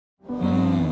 うん。